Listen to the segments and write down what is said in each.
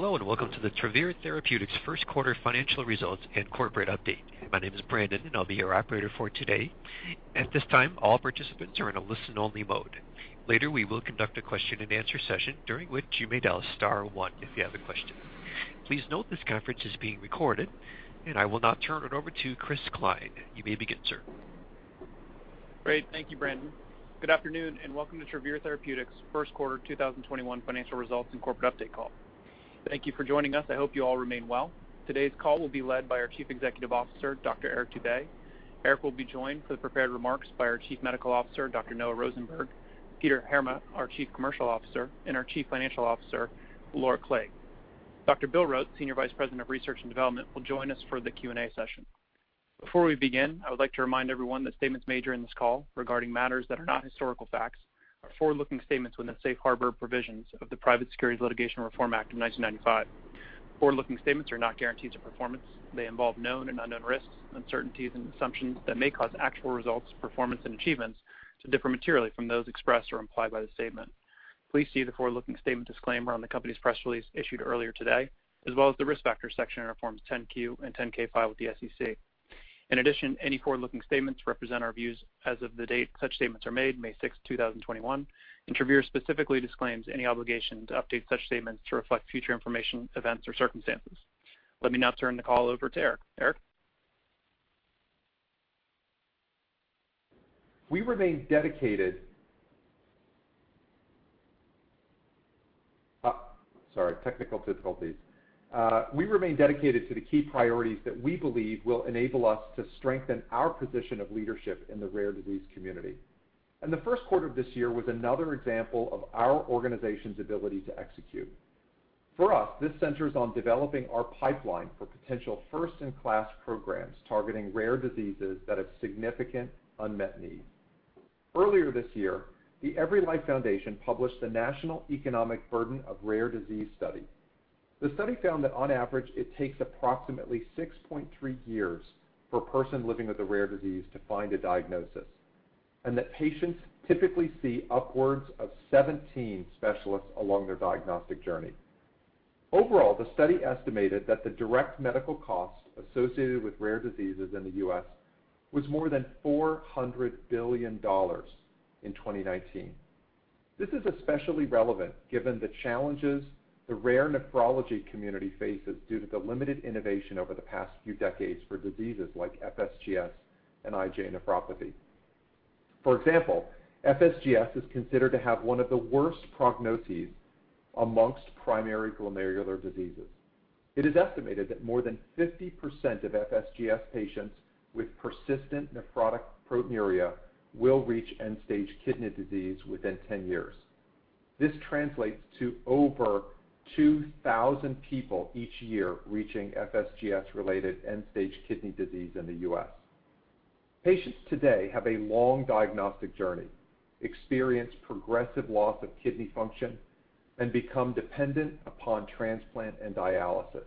Hello, and welcome to the Travere Therapeutics' first quarter financial results and corporate update. My name is Brandon, and I'll be your operator for today. At this time, all participants are in a listen-only mode. Later, we will conduct a question and answer session, during which you may dial star one if you have a question. Please note this conference is being recorded, and I will now turn it over to Chris Cline. You may begin, sir. Great. Thank you, Brandon. Good afternoon, welcome to Travere Therapeutics' first quarter 2021 financial results and corporate update call. Thank you for joining us. I hope you all remain well. Today's call will be led by our Chief Executive Officer, Dr. Eric Dube. Eric will be joined for the prepared remarks by our Chief Medical Officer, Dr. Noah Rosenberg, Peter Heerma, our Chief Commercial Officer, and our Chief Financial Officer, Laura Clague. Dr. Bill Rote, Senior Vice President of Research and Development, will join us for the Q&A session. Before we begin, I would like to remind everyone that statements made during this call regarding matters that are not historical facts are forward-looking statements within the safe harbor provisions of the Private Securities Litigation Reform Act of 1995. Forward-looking statements are not guarantees of performance. They involve known and unknown risks, uncertainties, and assumptions that may cause actual results, performance, and achievements to differ materially from those expressed or implied by the statement. Please see the forward-looking statement disclaimer on the company's press release issued earlier today, as well as the Risk Factors section in our Forms 10-Q and 10-K filed with the SEC. In addition, any forward-looking statements represent our views as of the date such statements are made, 6th May, 2021, and Travere specifically disclaims any obligation to update such statements to reflect future information, events, or circumstances. Let me now turn the call over to Eric. Eric? We remain dedicated. Sorry, technical difficulties. We remain dedicated to the key priorities that we believe will enable us to strengthen our position of leadership in the rare disease community. The first quarter of this year was another example of our organization's ability to execute. For us, this centers on developing our pipeline for potential first-in-class programs targeting rare diseases that have significant unmet needs. Earlier this year, the EveryLife Foundation published the National Economic Burden of Rare Disease Study. The study found that on average, it takes approximately 6.3 years for a person living with a rare disease to find a diagnosis, and that patients typically see upwards of 17 specialists along their diagnostic journey. Overall, the study estimated that the direct medical costs associated with rare diseases in the U.S. was more than $400 billion in 2019. This is especially relevant given the challenges the rare nephrology community faces due to the limited innovation over the past few decades for diseases like FSGS and IgA nephropathy. FSGS is considered to have one of the worst prognoses amongst primary glomerular diseases. It is estimated that more than 50% of FSGS patients with persistent nephrotic proteinuria will reach end-stage kidney disease within 10 years. This translates to over 2,000 people each year reaching FSGS-related end-stage kidney disease in the U.S. Patients today have a long diagnostic journey, experience progressive loss of kidney function, and become dependent upon transplant and dialysis.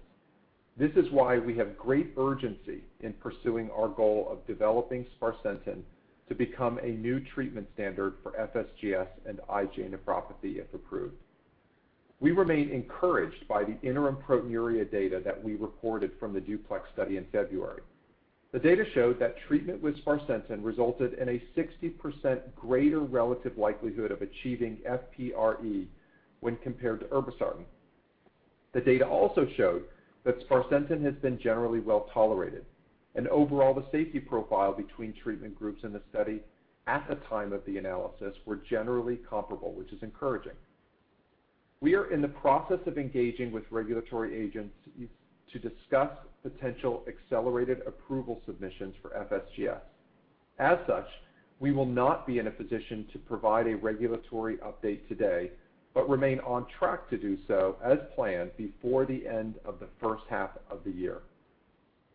This is why we have great urgency in pursuing our goal of developing sparsentan to become a new treatment standard for FSGS and IgA nephropathy, if approved. We remain encouraged by the interim proteinuria data that we reported from the DUPLEX study in February. The data showed that treatment with sparsentan resulted in a 60% greater relative likelihood of achieving FPRE when compared to irbesartan. The data also showed that sparsentan has been generally well-tolerated, and overall, the safety profile between treatment groups in the study at the time of the analysis were generally comparable, which is encouraging. We are in the process of engaging with regulatory agencies to discuss potential accelerated approval submissions for FSGS. As such, we will not be in a position to provide a regulatory update today, but remain on track to do so as planned before the end of the first half of the year.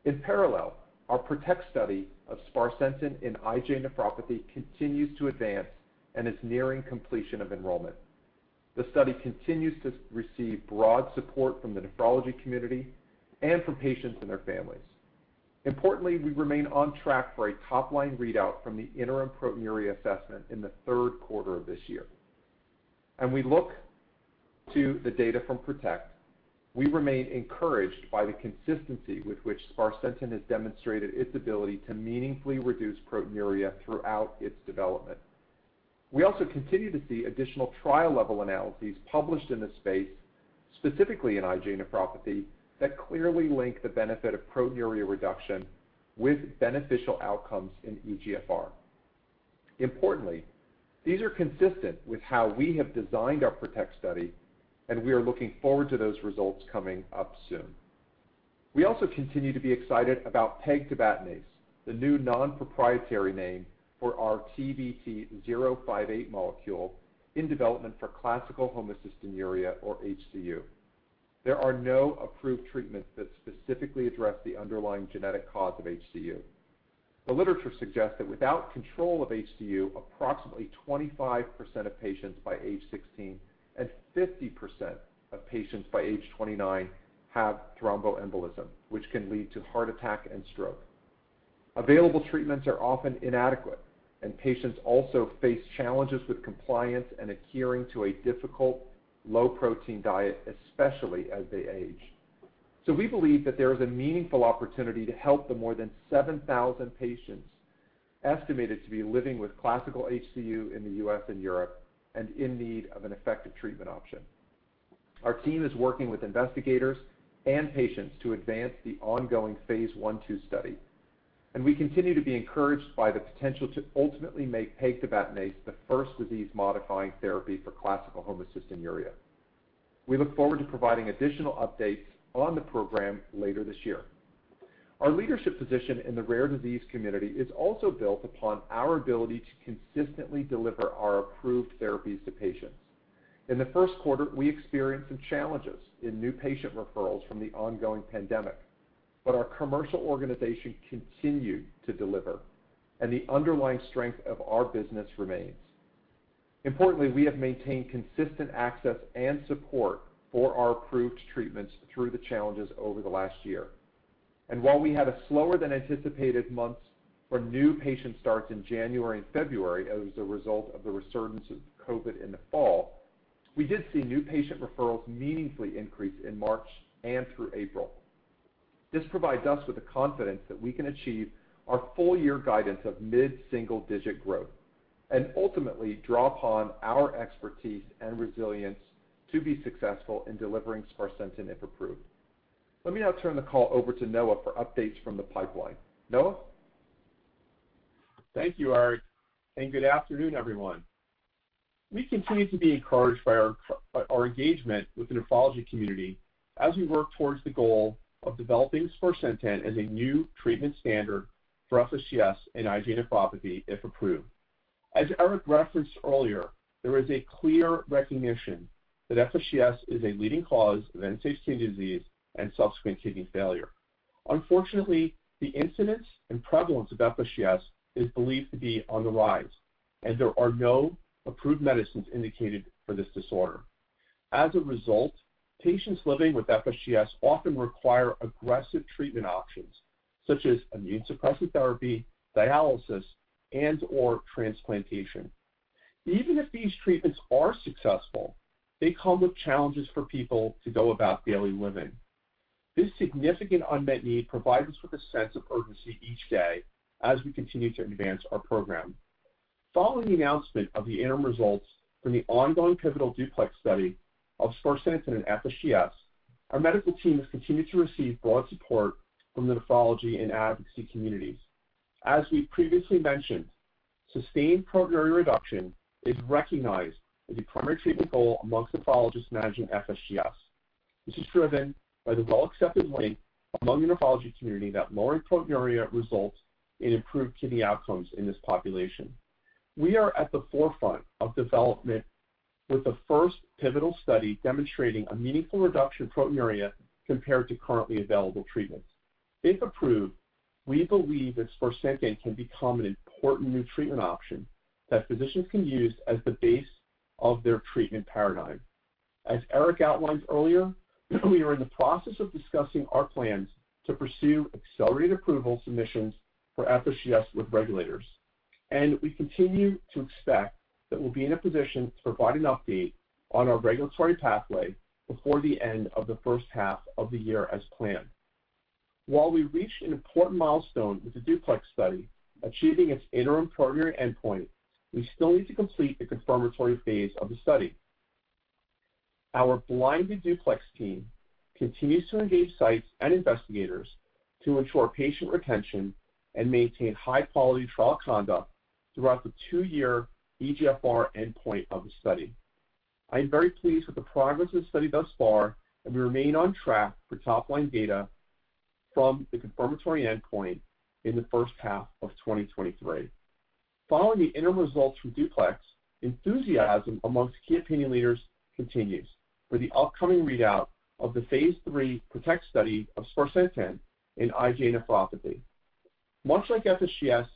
In parallel, our PROTECT study of sparsentan in IgA nephropathy continues to advance and is nearing completion of enrollment. The study continues to receive broad support from the nephrology community and from patients and their families. Importantly, we remain on track for a top-line readout from the interim proteinuria assessment in the third quarter of this year. As we look to the data from PROTECT, we remain encouraged by the consistency with which sparsentan has demonstrated its ability to meaningfully reduce proteinuria throughout its development. We also continue to see additional trial-level analyses published in the space, specifically in IgA nephropathy, that clearly link the benefit of proteinuria reduction with beneficial outcomes in eGFR. Importantly, these are consistent with how we have designed our PROTECT study, and we are looking forward to those results coming up soon. We also continue to be excited about pegtibatinase, the new non-proprietary name for our TVT-058 molecule in development for classical homocystinuria or HCU. There are no approved treatments that specifically address the underlying genetic cause of HCU. The literature suggests that without control of HCU, approximately 25% of patients by age 16 and 50% of patients by age 29 have thromboembolism, which can lead to heart attack and stroke. Available treatments are often inadequate, and patients also face challenges with compliance and adhering to a difficult low-protein diet, especially as they age. We believe that there is a meaningful opportunity to help the more than 7,000 patients estimated to be living with classical HCU in the U.S. and Europe and in need of an effective treatment option. Our team is working with investigators and patients to advance the ongoing phase I/II study, and we continue to be encouraged by the potential to ultimately make pegtibatinase the first disease-modifying therapy for classical homocystinuria. We look forward to providing additional updates on the program later this year. Our leadership position in the rare disease community is also built upon our ability to consistently deliver our approved therapies to patients. In the first quarter, we experienced some challenges in new patient referrals from the ongoing pandemic, but our commercial organization continued to deliver, and the underlying strength of our business remains. Importantly, we have maintained consistent access and support for our approved treatments through the challenges over the last year. While we had a slower than anticipated month for new patient starts in January and February as a result of the resurgence of COVID in the fall, we did see new patient referrals meaningfully increase in March and through April. This provides us with the confidence that we can achieve our full-year guidance of mid-single-digit growth and ultimately draw upon our expertise and resilience to be successful in delivering sparsentan, if approved. Let me now turn the call over to Noah for updates from the pipeline. Noah? Thank you, Eric, and good afternoon, everyone. We continue to be encouraged by our engagement with the nephrology community as we work towards the goal of developing sparsentan as a new treatment standard for FSGS and IgA nephropathy, if approved. As Eric referenced earlier, there is a clear recognition that FSGS is a leading cause of end-stage kidney disease and subsequent kidney failure. Unfortunately, the incidence and prevalence of FSGS is believed to be on the rise, and there are no approved medicines indicated for this disorder. As a result, patients living with FSGS often require aggressive treatment options such as immune suppressive therapy, dialysis, and/or transplantation. Even if these treatments are successful, they come with challenges for people to go about daily living. This significant unmet need provides us with a sense of urgency each day as we continue to advance our program. Following the announcement of the interim results from the ongoing pivotal DUPLEX study of sparsentan in FSGS, our medical team has continued to receive broad support from the nephrology and advocacy communities. As we've previously mentioned, sustained proteinuria reduction is recognized as a primary treatment goal amongst nephrologists managing FSGS. This is driven by the well-accepted link among the nephrology community that lowering proteinuria results in improved kidney outcomes in this population. We are at the forefront of development with the first pivotal study demonstrating a meaningful reduction in proteinuria compared to currently available treatments. If approved, we believe that sparsentan can become an important new treatment option that physicians can use as the base of their treatment paradigm. As Eric outlined earlier, we are in the process of discussing our plans to pursue accelerated approval submissions for FSGS with regulators, and we continue to expect that we'll be in a position to provide an update on our regulatory pathway before the end of the first half of the year as planned. While we reached an important milestone with the DUPLEX study, achieving its interim proteinuria endpoint, we still need to complete the confirmatory phase of the study. Our blinded DUPLEX team continues to engage sites and investigators to ensure patient retention and maintain high-quality trial conduct throughout the two-year eGFR endpoint of the study. I am very pleased with the progress of the study thus far, and we remain on track for top-line data from the confirmatory endpoint in the first half of 2023. Following the interim results from DUPLEX, enthusiasm amongst key opinion leaders continues for the upcoming readout of the phase III PROTECT study of sparsentan in IgA nephropathy. Much like FSGS,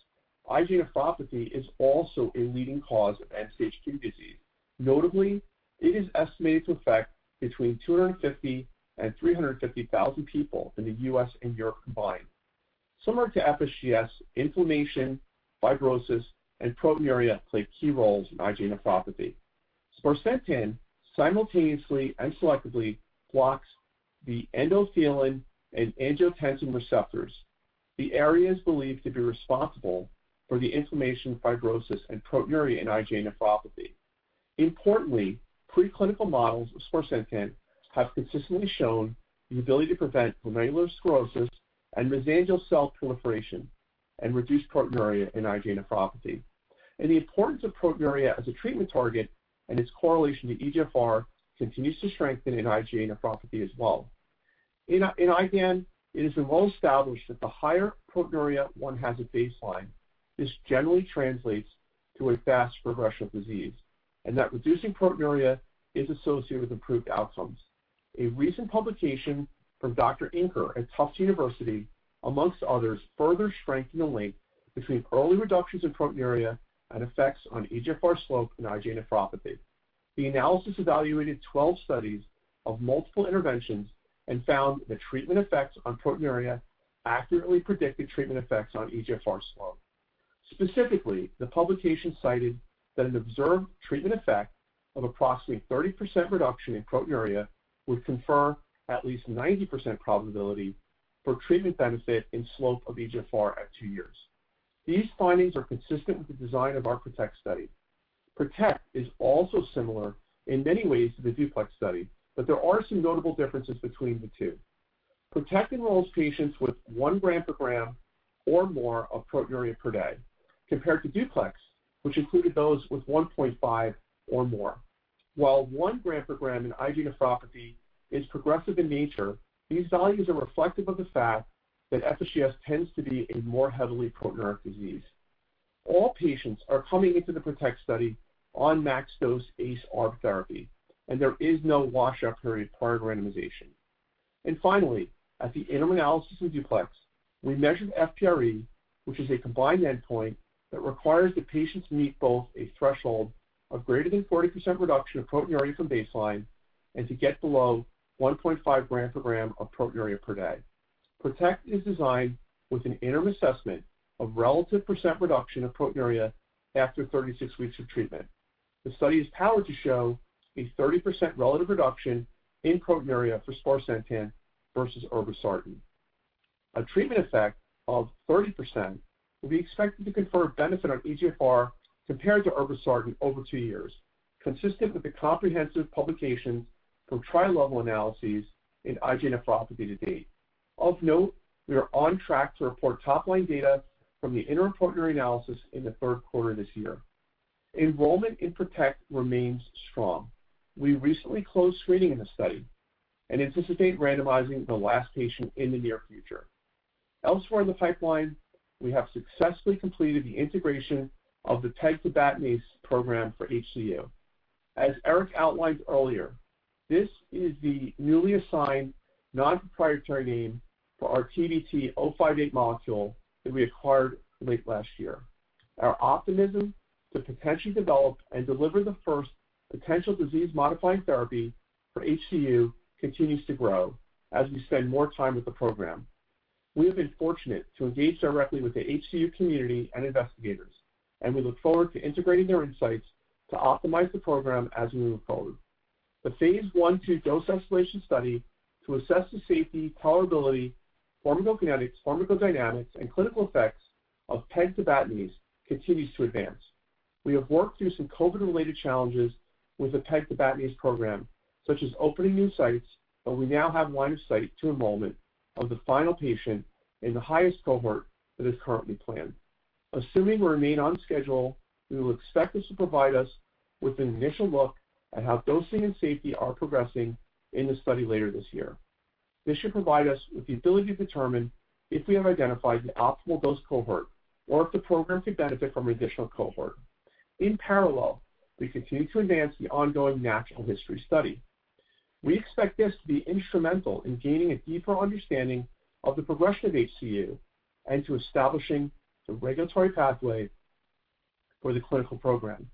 IgA nephropathy is also a leading cause of end-stage kidney disease. Notably, it is estimated to affect between 250,000 and 350,000 people in the U.S. and Europe combined. Similar to FSGS, inflammation, fibrosis, and proteinuria play key roles in IgA nephropathy. Sparsentan simultaneously and selectively blocks the endothelin and angiotensin receptors, the areas believed to be responsible for the inflammation, fibrosis, and proteinuria in IgA nephropathy. Importantly, preclinical models of sparsentan have consistently shown the ability to prevent glomerular sclerosis and mesangial cell proliferation and reduce proteinuria in IgA nephropathy. The importance of proteinuria as a treatment target and its correlation to eGFR continues to strengthen in IgA nephropathy as well. In IgA, it is well established that the higher proteinuria one has at baseline, this generally translates to a fast progression of disease, and that reducing proteinuria is associated with improved outcomes. A recent publication from Dr. Inker at Tufts University, amongst others, further strengthened the link between early reductions in proteinuria and effects on eGFR slope in IgA nephropathy. The analysis evaluated 12 studies of multiple interventions and found that treatment effects on proteinuria accurately predicted treatment effects on eGFR slope. Specifically, the publication cited that an observed treatment effect of approximately 30% reduction in proteinuria would confirm at least 90% probability for treatment benefit in slope of eGFR at two years. These findings are consistent with the design of our PROTECT study. PROTECT is also similar in many ways to the DUPLEX study, but there are some notable differences between the two. PROTECT enrolls patients with one gram per gram or more of proteinuria per day, compared to DUPLEX, which included those with 1.5 or more. While one gram per gram in IgA nephropathy is progressive in nature, these values are reflective of the fact that FSGS tends to be a more heavily proteinuric disease. All patients are coming into the PROTECT study on max dose ACE/ARB therapy, there is no washout period prior to randomization. Finally, at the interim analysis of DUPLEX, we measured FPRE, which is a combined endpoint that requires that patients meet both a threshold of greater than 40% reduction of proteinuria from baseline and to get below 1.5g per gram of proteinuria per day. PROTECT is designed with an interim assessment of relative percentage reduction of proteinuria after 36 weeks of treatment. The study is powered to show a 30% relative reduction in proteinuria for sparsentan versus irbesartan. A treatment effect of 30% would be expected to confer benefit on eGFR compared to irbesartan over two years, consistent with the comprehensive publications from trial-level analyses in IgA nephropathy to date. Of note, we are on track to report top-line data from the interim proteinuria analysis in the third quarter this year. Enrollment in PROTECT remains strong. We recently closed screening in the study and anticipate randomizing the last patient in the near future. Elsewhere in the pipeline, we have successfully completed the integration of the pegtibatinase program for HCU. As Eric outlined earlier, this is the newly assigned non-proprietary name for our TVT-058 molecule that we acquired late last year. Our optimism to potentially develop and deliver the first potential disease-modifying therapy for HCU continues to grow as we spend more time with the program. We have been fortunate to engage directly with the HCU community and investigators. We look forward to integrating their insights to optimize the program as we move forward. The Phase I/II dose-escalation study to assess the safety, tolerability, pharmacokinetics, pharmacodynamics, and clinical effects of pegtibatinase continues to advance. We have worked through some COVID-related challenges with the pegtibatinase program, such as opening new sites. We now have line of sight to enrollment of the final patient in the highest cohort that is currently planned. Assuming we remain on schedule, we will expect this to provide us with an initial look at how dosing and safety are progressing in the study later this year. This should provide us with the ability to determine if we have identified the optimal dose cohort or if the program could benefit from an additional cohort. In parallel, we continue to advance the ongoing natural history study. We expect this to be instrumental in gaining a deeper understanding of the progression of HCU and to establishing the regulatory pathway for the clinical program.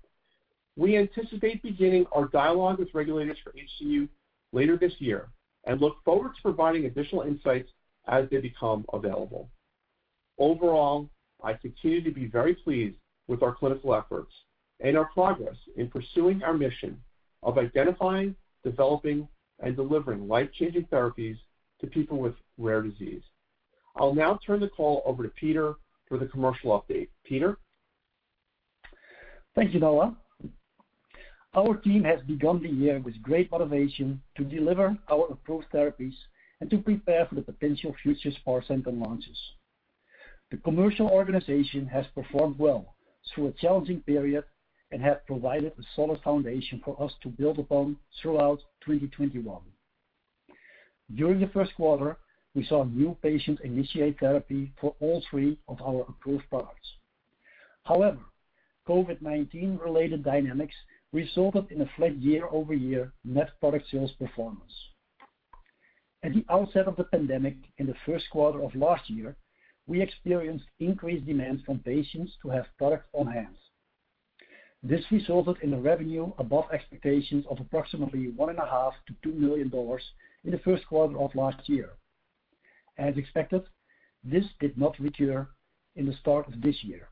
We anticipate beginning our dialogue with regulators for HCU later this year and look forward to providing additional insights as they become available. Overall, I continue to be very pleased with our clinical efforts and our progress in pursuing our mission of identifying, developing, and delivering life-changing therapies to people with rare disease. I'll now turn the call over to Peter for the commercial update. Peter? Thank you, Noah. Our team has begun the year with great motivation to deliver our approved therapies and to prepare for the potential future sparsentan launches. The commercial organization has performed well through a challenging period and have provided a solid foundation for us to build upon throughout 2021. During the first quarter, we saw new patients initiate therapy for all three of our approved products. However, COVID-19-related dynamics resulted in a flat year-over-year net product sales performance. At the outset of the pandemic in the first quarter of last year, we experienced increased demands from patients to have products on-hand. This resulted in a revenue above expectations of approximately $1.5 - 2 million in the first quarter of last year. As expected, this did not reoccur in the start of this year.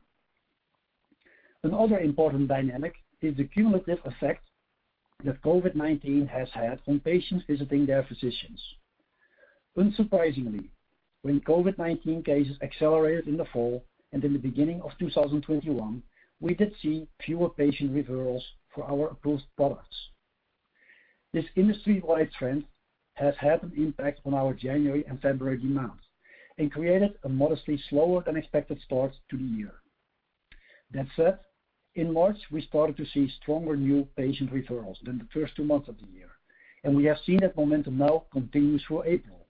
Another important dynamic is the cumulative effect that COVID-19 has had on patients visiting their physicians. Unsurprisingly, when COVID-19 cases accelerated in the fall and in the beginning of 2021, we did see fewer patient referrals for our approved products. This industry-wide trend has had an impact on our January and February demands and created a modestly slower than expected start to the year. In March, we started to see stronger new patient referrals than the first two months of the year, and we have seen that momentum now continue through April.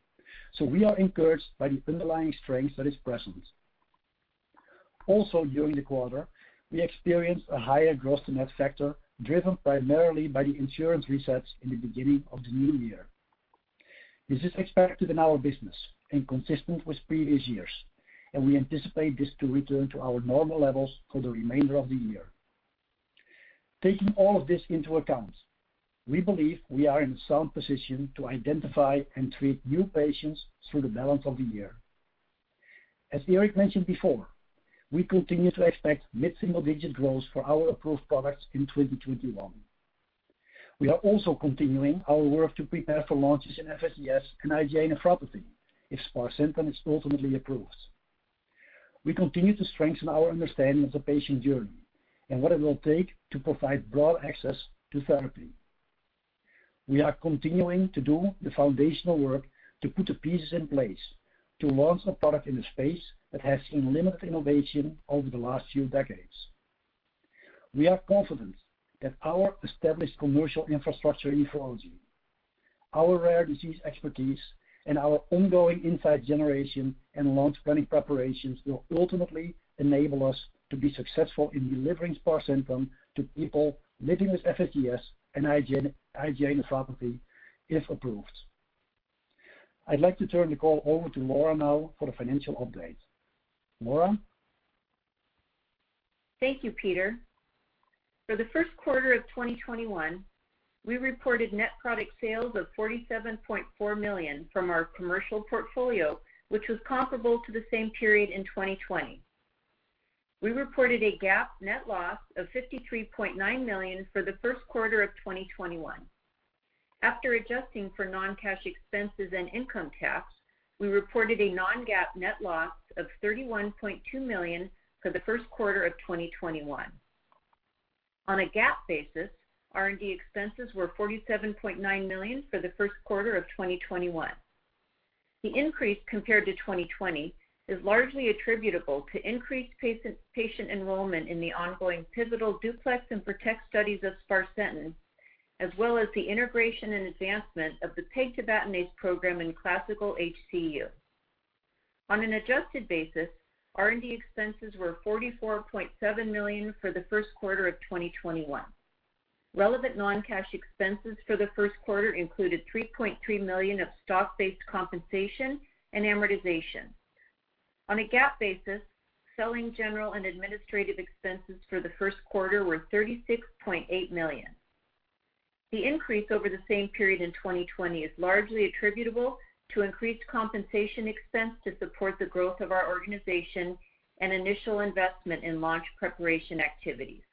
We are encouraged by the underlying strength that is present. During the quarter, we experienced a higher gross to net factor, driven primarily by the insurance resets in the beginning of the new year. This is expected in our business and consistent with previous years, and we anticipate this to return to our normal levels for the remainder of the year. Taking all of this into account, we believe we are in a sound position to identify and treat new patients through the balance of the year. As Eric mentioned before, we continue to expect mid-single-digit growth for our approved products in 2021. We are also continuing our work to prepare for launches in FSGS and IgA nephropathy if sparsentan is ultimately approved. We continue to strengthen our understanding of the patient journey and what it will take to provide broad access to therapy. We are continuing to do the foundational work to put the pieces in place to launch a product in a space that has seen limited innovation over the last few decades. We are confident that our established commercial infrastructure in nephrology, our rare disease expertise, and our ongoing insight generation and launch planning preparations will ultimately enable us to be successful in delivering sparsentan to people living with FSGS and IgA nephropathy, if approved. I'd like to turn the call over to Laura now for the financial update. Laura? Thank you, Peter. For the first quarter of 2021, we reported net product sales of $47.4 million from our commercial portfolio, which was comparable to the same period in 2020. We reported a GAAP net loss of $53.9 million for the first quarter of 2021. After adjusting for non-cash expenses and income tax, we reported a non-GAAP net loss of $31.2 million for the first quarter of 2021. On a GAAP basis, R&D expenses were $47.9 million for the first quarter of 2021. The increase compared to 2020 is largely attributable to increased patient enrollment in the ongoing pivotal DUPLEX and PROTECT studies of sparsentan, as well as the integration and advancement of the pegtibatinase program in classical HCU. On an adjusted basis, R&D expenses were $44.7 million for the first quarter of 2021. Relevant non-cash expenses for the first quarter included $3.3 million of stock-based compensation and amortization. On a GAAP basis, selling, general and administrative expenses for the first quarter were $36.8 million. The increase over the same period in 2020 is largely attributable to increased compensation expense to support the growth of our organization and initial investment in launch preparation activities.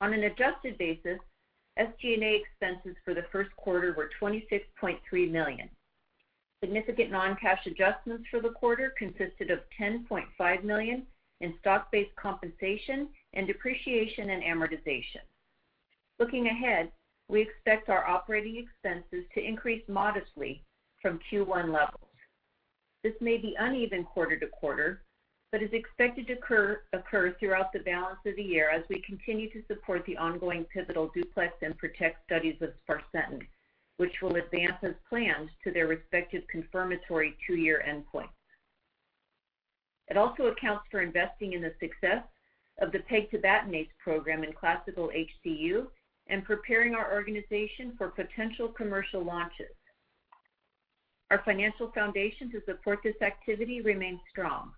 On an adjusted basis, SG&A expenses for the first quarter were $26.3 million. Significant non-cash adjustments for the quarter consisted of $10.5 million in stock-based compensation and depreciation and amortization. Looking ahead, we expect our operating expenses to increase modestly from Q1 levels. This may be uneven quarter to quarter, but is expected to occur throughout the balance of the year as we continue to support the ongoing pivotal DUPLEX and PROTECT studies of sparsentan, which will advance as planned to their respective confirmatory two-year endpoint. It also accounts for investing in the success of the pegtibatinase program in classical HCU and preparing our organization for potential commercial launches. Our financial foundation to support this activity remains strong.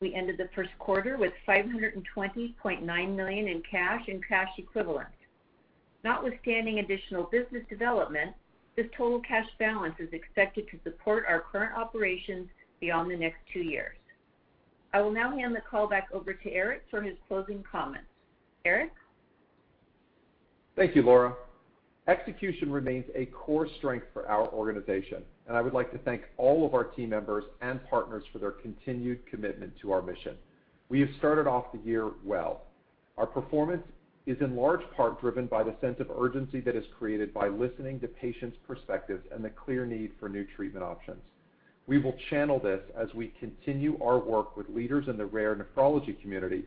We ended the first quarter with $520.9 million in cash and cash equivalents. Notwithstanding additional business development, this total cash balance is expected to support our current operations beyond the next two years. I will now hand the call back over to Eric for his closing comments. Eric? Thank you, Laura. Execution remains a core strength for our organization, and I would like to thank all of our team members and partners for their continued commitment to our mission. We have started off the year well. Our performance is in large part driven by the sense of urgency that is created by listening to patients' perspectives and the clear need for new treatment options. We will channel this as we continue our work with leaders in the rare nephrology community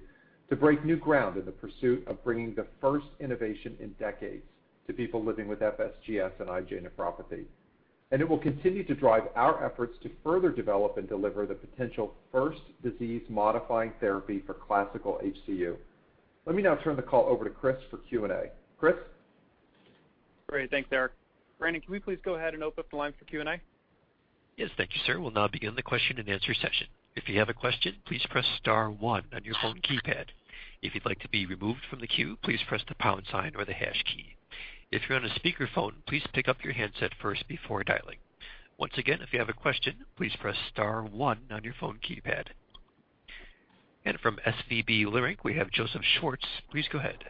to break new ground in the pursuit of bringing the first innovation in decades to people living with FSGS and IgA nephropathy. It will continue to drive our efforts to further develop and deliver the potential first disease-modifying therapy for classical HCU. Let me now turn the call over to Chris for Q&A. Chris? Great. Thanks, Eric. Brandon, can we please go ahead and open up the line for Q&A? Yes, thank you, sir. We'll now begin the question and answer session. If you have a question, please press star one on your phone keypad. If you'd like to be removed from the queue, please press the pound sign or the hash key. If you're on a speakerphone, please pick up your handset first before dialing. Once again, if you have a question, please press star one on your phone keypad. From SVB Leerink, we have Joseph Schwartz. Please go ahead.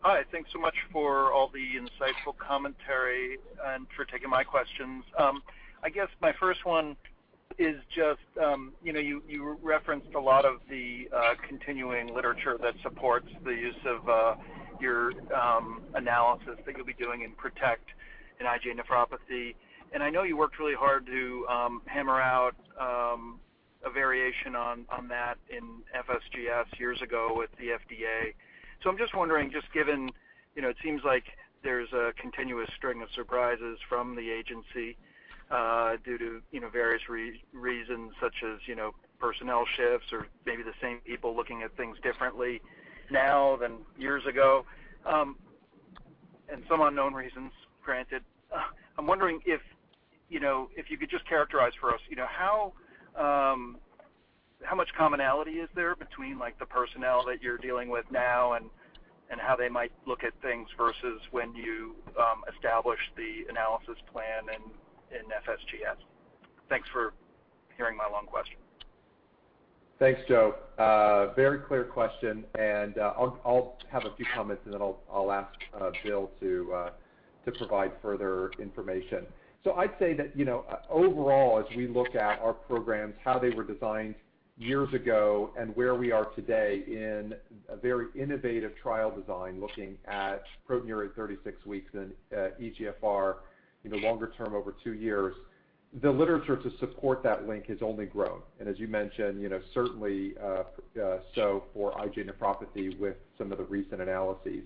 Hi. Thanks so much for all the insightful commentary and for taking my questions. I guess my first one is just, you referenced a lot of the continuing literature that supports the use of your analysis that you'll be doing in PROTECT in IgA nephropathy. I know you worked really hard to hammer out a variation on that in FSGS years ago with the FDA. I'm just wondering, just given it seems like there's a continuous string of surprises from the agency due to various reasons such as personnel shifts or maybe the same people looking at things differently now than years ago. Some unknown reasons, granted. I'm wondering if you could just characterize for us, how much commonality is there between the personnel that you're dealing with now and how they might look at things versus when you established the analysis plan in FSGS? Thanks for hearing my long question. Thanks, Joe. Very clear question, and I'll have a few comments, and then I'll ask Bill to provide further information. I'd say that, overall, as we look at our programs, how they were designed years ago, and where we are today in a very innovative trial design, looking at proteinuria at 36 weeks in EGFR, in the longer term, over two years, the literature to support that link has only grown. As you mentioned, certainly so for IgA nephropathy with some of the recent analyses.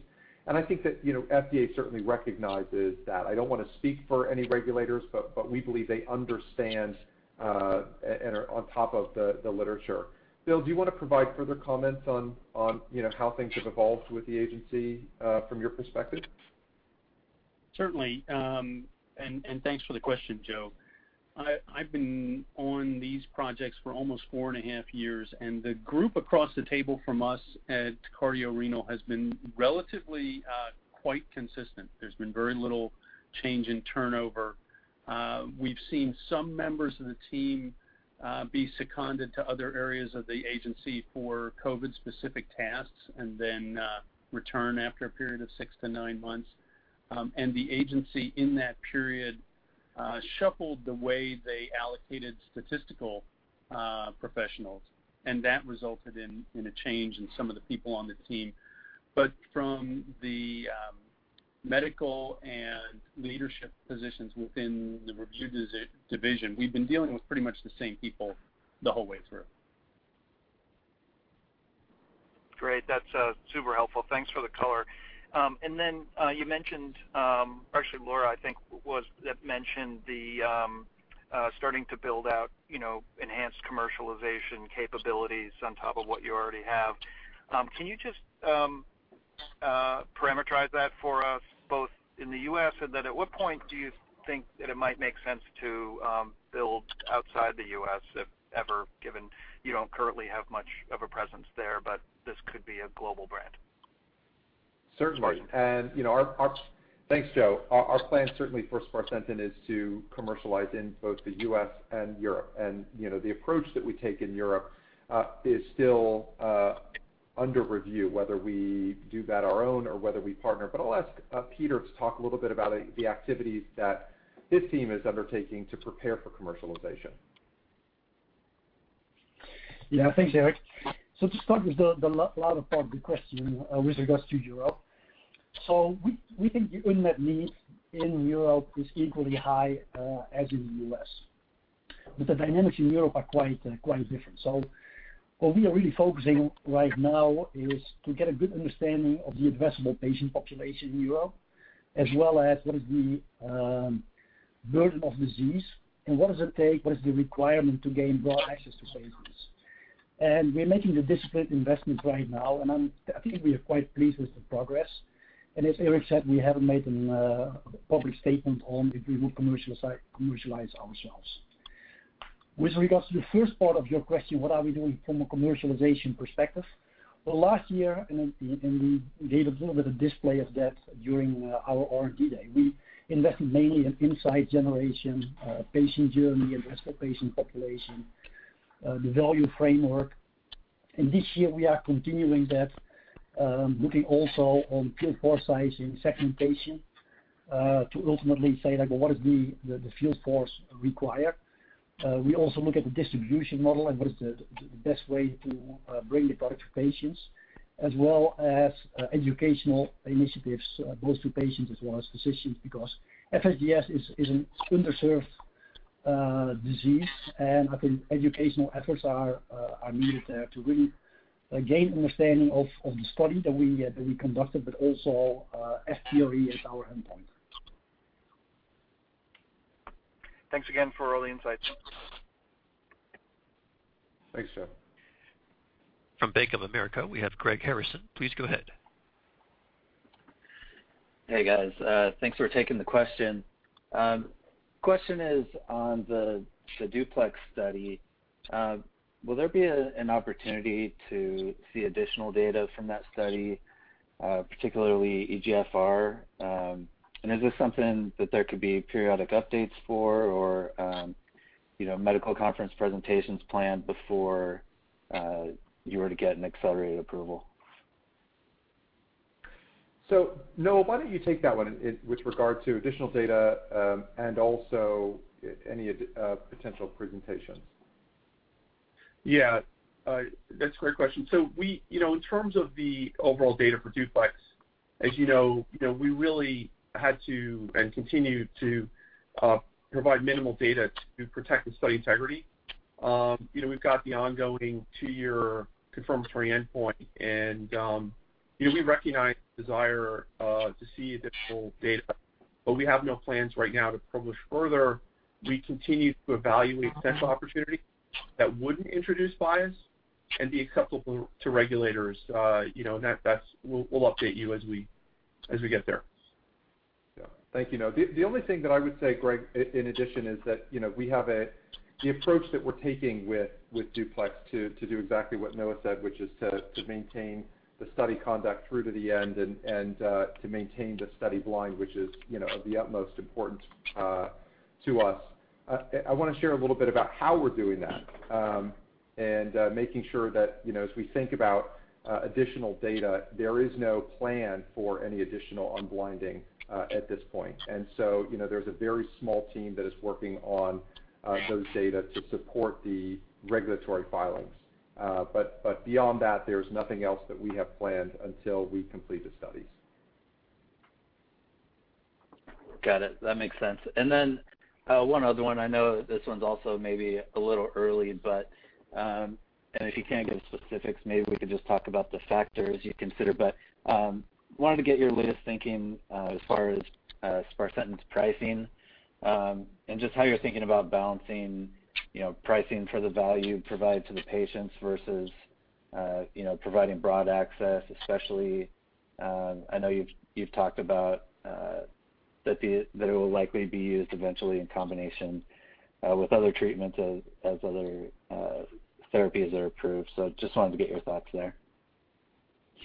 I think that FDA certainly recognizes that. I don't want to speak for any regulators, but we believe they understand and are on top of the literature. Bill, do you want to provide further comments on how things have evolved with the agency from your perspective? Thanks for the question, Joe. I've been on these projects for almost four and a half years, and the group across the table from us at Cardio-Renal has been relatively quite consistent. There's been very little change in turnover. We've seen some members of the team be seconded to other areas of the agency for COVID-specific tasks and then return after a period of six to nine months. The agency, in that period, shuffled the way they allocated statistical professionals, and that resulted in a change in some of the people on the team. But from the medical and leadership positions within the review division, we've been dealing with pretty much the same people the whole way through. Great. That's super helpful. Thanks for the color. Then you mentioned, or actually Laura, I think, mentioned the starting to build out enhanced commercialization capabilities on top of what you already have. Can you just parameterize that for us, both in the U.S., and then at what point do you think that it might make sense to build outside the U.S., if ever, given you don't currently have much of a presence there, but this could be a global brand? Certainly. Thanks, Joe. Our plan certainly for sparsentan is to commercialize in both the U.S. and Europe. The approach that we take in Europe is still under review, whether we do that our own or whether we partner. I'll ask Peter to talk a little bit about the activities that his team is undertaking to prepare for commercialization. Thanks, Eric. To start with the latter part of the question with regards to Europe. We think the unmet need in Europe is equally high as in the U.S. The dynamics in Europe are quite different. What we are really focusing on right now is to get a good understanding of the addressable patient population in Europe, as well as what is the burden of disease and what does it take, what is the requirement to gain broad access to patients. We're making the disparate investments right now, and I think we are quite pleased with the progress. As Eric said, we haven't made a public statement on if we will commercialize ourselves. With regards to the first part of your question, what are we doing from a commercialization perspective? Well, last year, we gave a little bit of display of that during our R&D day. We invest mainly in insight generation, patient journey, addressable patient population, the value framework. This year, we are continuing that, looking also on field force size and segmentation to ultimately say, like, well, what is the field force require? We also look at the distribution model and what is the best way to bring the product to patients, as well as educational initiatives, both to patients as well as physicians, because FSGS is an underserved disease, and I think educational efforts are needed there to really gain understanding of the study that we conducted, but also FPRE as our endpoint. Thanks again for all the insights. Thanks, Joe. From Bank of America, we have Greg Harrison. Please go ahead. Hey, guys. Thanks for taking the question. Question is on the DUPLEX study. Will there be an opportunity to see additional data from that study, particularly EGFR? Is this something that there could be periodic updates for or medical conference presentations planned before you were to get an accelerated approval? Noah, why don't you take that one with regard to additional data and also any potential presentations? Yeah. That's a great question. In terms of the overall data for DUPLEX, as you know, we really had to, and continue to, provide minimal data to protect the study integrity. We've got the ongoing two-year confirmatory endpoint, and we recognize the desire to see additional data, but we have no plans right now to publish further. We continue to evaluate such opportunity that wouldn't introduce bias and be acceptable to regulators. We'll update you as we get there. Yeah. Thank you, Noah. The only thing that I would say, Greg, in addition, is that the approach that we're taking with DUPLEX to do exactly what Noah said, which is to maintain the study conduct through to the end and to maintain the study blind, which is of the utmost importance to us. I want to share a little bit about how we're doing that and making sure that as we think about additional data, there is no plan for any additional unblinding at this point. There's a very small team that is working on those data to support the regulatory filings. Beyond that, there's nothing else that we have planned until we complete the studies. Got it. That makes sense. One other one. I know this one's also maybe a little early, but, and if you can't give specifics, maybe we could just talk about the factors you consider. Wanted to get your latest thinking as far as sparsentan's pricing, and just how you're thinking about balancing pricing for the value provided to the patients versus providing broad access, especially, I know you've talked about that it will likely be used eventually in combination with other treatments as other therapies are approved. Just wanted to get your thoughts there.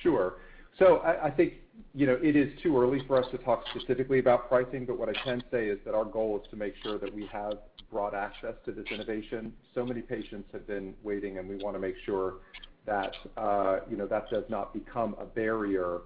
Sure. I think it is too early for us to talk specifically about pricing, but what I can say is that our goal is to make sure that we have broad access to this innovation. Many patients have been waiting, and we want to make sure that does not become a barrier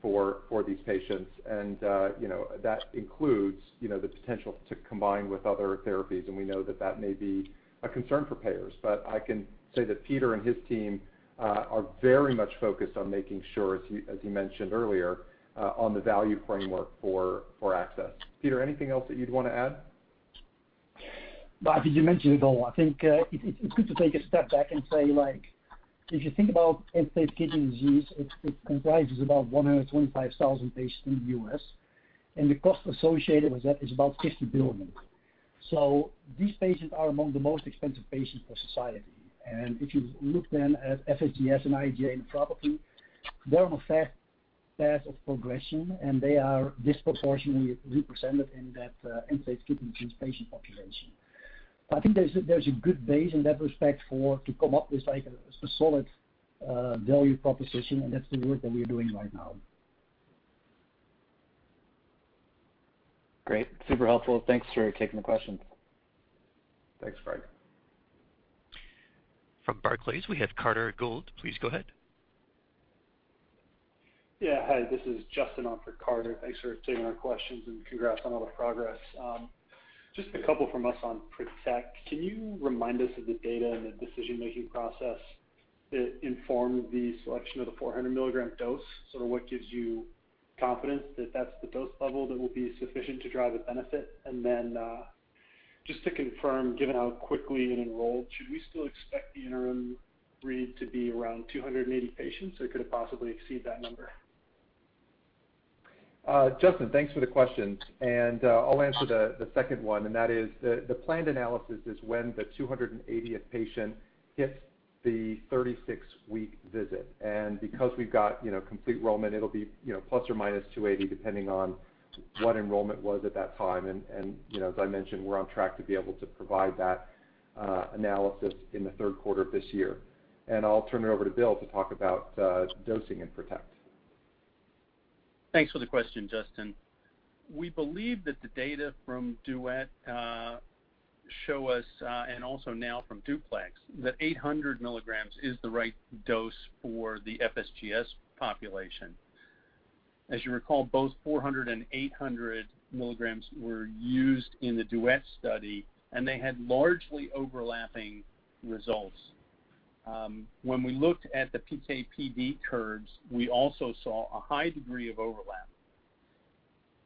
for these patients. That includes the potential to combine with other therapies, and we know that that may be a concern for payers. I can say that Peter and his team are very much focused on making sure, as he mentioned earlier, on the value framework for access. Peter, anything else that you'd want to add? No, I think you mentioned it all. I think it's good to take a step back and say, if you think about end-stage kidney disease, it comprises about 125,000 patients in the U.S., and the cost associated with that is about $50 billion. These patients are among the most expensive patients for society. If you look then at FSGS and IgA nephropathy, they're on a fast path of progression, and they are disproportionately represented in that end-stage kidney disease patient population. I think there's a good base in that respect for to come up with a solid value proposition, and that's the work that we're doing right now. Great. Super helpful. Thanks for taking the question. Thanks, Greg. From Barclays, we have Carter Gould. Please go ahead. Yeah. Hi, this is Justin on for Carter. Thanks for taking our questions, and congrats on all the progress. Just a couple from us on PROTECT. Can you remind us of the data and the decision-making process that informed the selection of the 400 mg dose, sort of what gives you confidence that that's the dose level that will be sufficient to drive a benefit? Then, just to confirm, given how quickly it enrolled, should we still expect the interim read to be around 280 patients, or could it possibly exceed that number? Justin, thanks for the question. I'll answer the second one, and that is, the planned analysis is when the 280th patient hits the 36-week visit. Because we've got complete enrollment, it'll be plus or minus 280 depending on what enrollment was at that time. As I mentioned, we're on track to be able to provide that analysis in the third quarter of this year. I'll turn it over to Bill to talk about dosing in PROTECT. Thanks for the question, Justin. We believe that the data from DUET show us, and also now from DUPLEX, that 800 milligrams is the right dose for the FSGS population. As you recall, both 400 and 800 milligrams were used in the DUET study, and they had largely overlapping results. When we looked at the PK/PD curves, we also saw a high degree of overlap.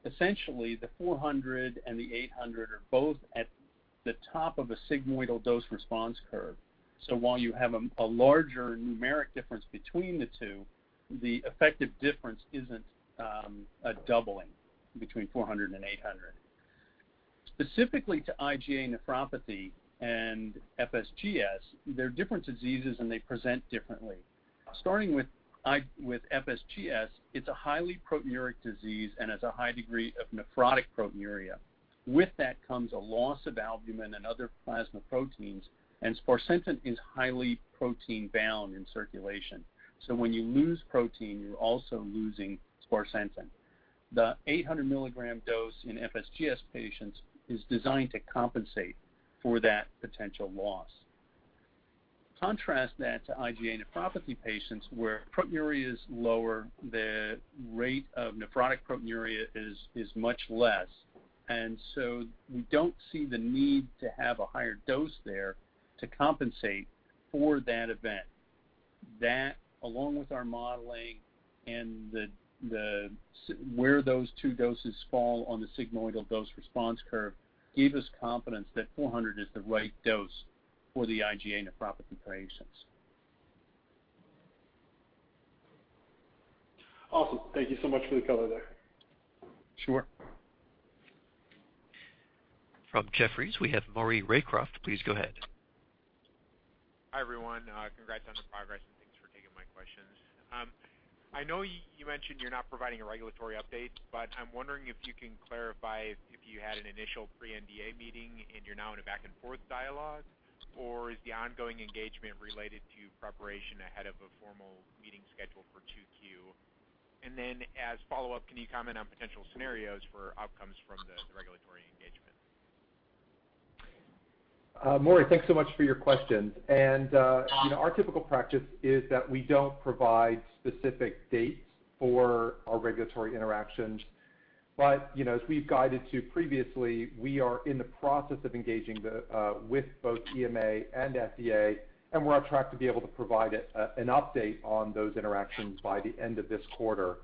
Essentially, the 400 and the 800 are both at the top of a sigmoidal dose response curve. While you have a larger numeric difference between the two, the effective difference isn't a doubling between 400 and 800. Specifically to IgA nephropathy and FSGS, they're different diseases, and they present differently. Starting with FSGS, it's a highly proteinuria disease and has a high degree of nephrotic proteinuria. With that comes a loss of albumin and other plasma proteins, and sparsentan is highly protein-bound in circulation. When you lose protein, you're also losing sparsentan. The 800mg dose in FSGS patients is designed to compensate for that potential loss. Contrast that to IgA nephropathy patients, where proteinuria is lower, the rate of nephrotic proteinuria is much less. We don't see the need to have a higher dose there to compensate for that event. That, along with our modeling and where those two doses fall on the sigmoidal dose response curve, gave us confidence that 400 is the right dose for the IgA nephropathy patients. Awesome. Thank you so much for the color there. Sure. From Jefferies, we have Maury Raycroft. Please go ahead. Hi, everyone. Congrats on the progress, and thanks for taking my questions. I know you mentioned you're not providing a regulatory update, but I'm wondering if you can clarify if you had an initial pre-NDA meeting and you're now in a back-and-forth dialogue, or is the ongoing engagement related to preparation ahead of a formal meeting scheduled for 2Q? As a follow-up, can you comment on potential scenarios for outcomes from the regulatory engagement? Maury, thanks so much for your questions. Our typical practice is that we don't provide specific dates for our regulatory interactions. As we've guided to previously, we are in the process of engaging with both EMA and FDA, and we're on track to be able to provide an update on those interactions by the end of this quarter.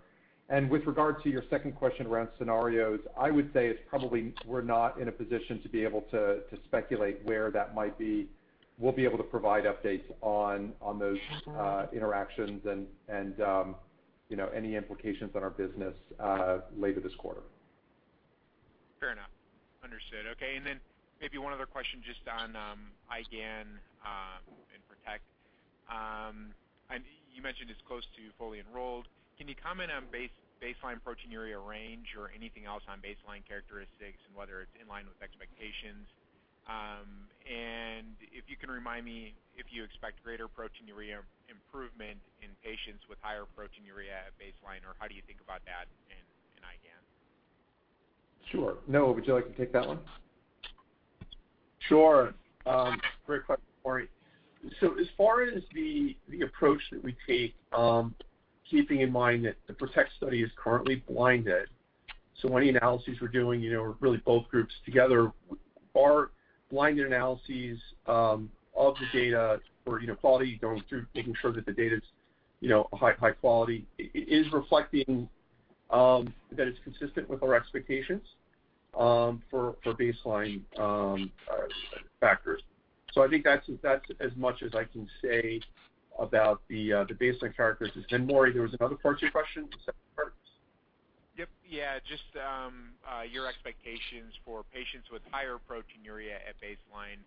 With regard to your second question around scenarios, I would say it's probably we're not in a position to be able to speculate where that might be. We'll be able to provide updates on those interactions and any implications on our business later this quarter. Fair enough. Understood. Okay. Then maybe one other question just on IGAN and PROTECT. You mentioned it's close to fully enrolled. Can you comment on baseline proteinuria range or anything else on baseline characteristics and whether it's in line with expectations? If you can remind me if you expect greater proteinuria improvement in patients with higher proteinuria at baseline, or how do you think about that in IGAN? Sure. Noah, would you like to take that one? Sure. Great question, Maury. As far as the approach that we take, keeping in mind that the PROTECT study is currently blinded. Any analyses we're doing, really both groups together are blinded analyses of the data for quality going through, making sure that the data's high quality. It is reflecting that it's consistent with our expectations for baseline factors. I think that's as much as I can say about the baseline characteristics. Maury, there was another part to your question? The second part. Yep. Yeah, just your expectations for patients with higher proteinuria at baseline.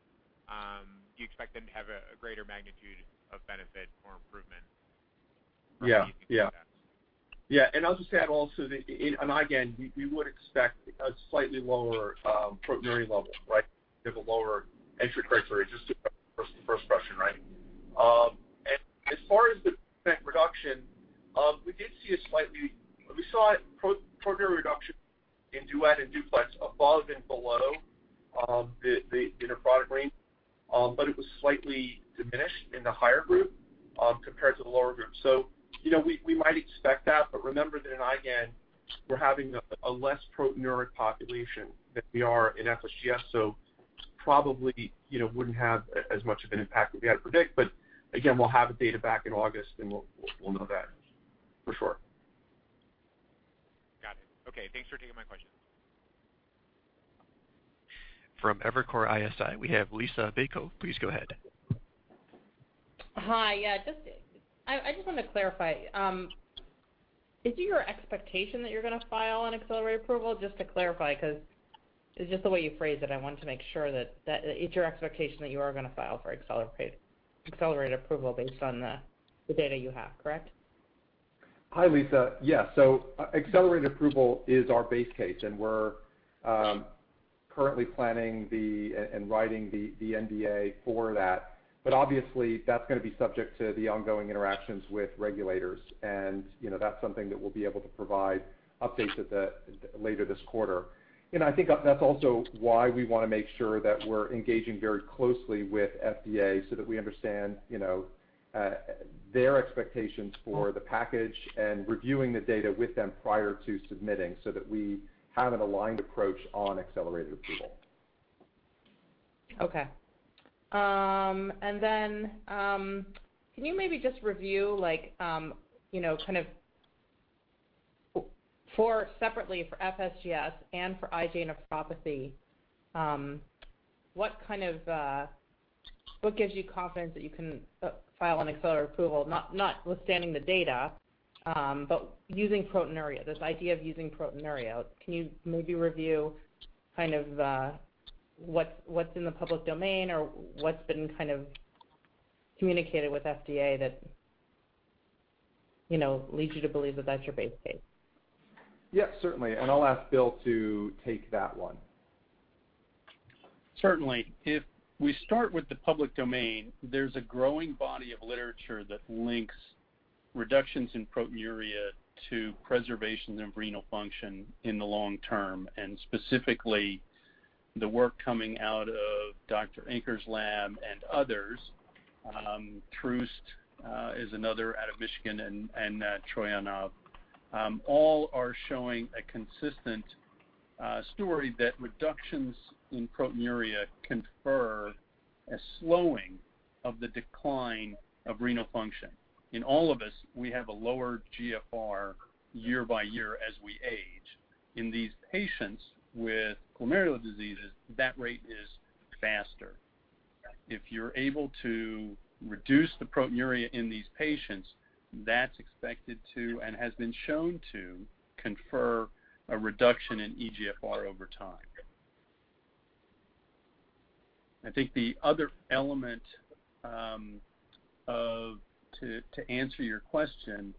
Do you expect them to have a greater magnitude of benefit or improvement? Yeah. Yeah. I'll just add also that in IGAN, we would expect a slightly lower proteinuria level, right? We have a lower entry criteria, just to the first question, right? As far as the effect reduction, we saw proteinuria reduction in DUET and DUPLEX above and below the inner product range, but it was slightly diminished in the higher group compared to the lower group. We might expect that, but remember that in IGAN, we're having a less proteinuric population than we are in FSGS, so probably wouldn't have as much of an impact as we ought to predict. Again, we'll have the data back in August, then we'll know that for sure. Got it. Okay. Thanks for taking my question. From Evercore ISI, we have Liisa Bayko. Please go ahead. Hi. Yeah. I just want to clarify. Is it your expectation that you're going to file an accelerated approval? Just to clarify, because it's just the way you phrased it. I wanted to make sure that it's your expectation that you are going to file for accelerated approval based on the data you have, correct? Hi, Liisa. Accelerated approval is our base case, and we're currently planning and writing the NDA for that. Obviously, that's going to be subject to the ongoing interactions with regulators, and that's something that we'll be able to provide updates at later this quarter. I think that's also why we want to make sure that we're engaging very closely with FDA so that we understand their expectations for the package and reviewing the data with them prior to submitting so that we have an aligned approach on accelerated approval. Okay. Can you maybe just review separately for FSGS and for IgA nephropathy what gives you confidence that you can file an accelerated approval, notwithstanding the data, but using proteinuria, this idea of using proteinuria. Can you maybe review what's in the public domain or what's been communicated with FDA that leads you to believe that that's your base case? Yeah, certainly. I'll ask Bill to take that one. Certainly. If we start with the public domain, there's a growing body of literature that links reductions in proteinuria to preservations in renal function in the long term, and specifically the work coming out of Dr. Inker's lab and others. Troost is another out of Michigan, and Troyanov. All are showing a consistent story that reductions in proteinuria confer a slowing of the decline of renal function. In all of us, we have a lower GFR year-by-year as we age. In these patients with glomerular diseases, that rate is faster. If you're able to reduce the proteinuria in these patients, that's expected to, and has been shown to, confer a reduction in eGFR over time. I think the other element to answer your question,